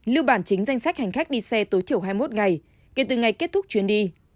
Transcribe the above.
lưu bản chính danh sách hành khách đi xe tối thiểu hai mươi một ngày kể từ ngày kết thúc chuyến đi